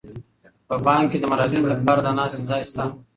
په بانک کې د مراجعینو لپاره د ناستې ځای شته.